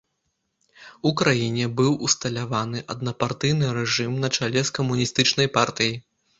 У краіне быў усталяваны аднапартыйны рэжым на чале з камуністычнай партыяй.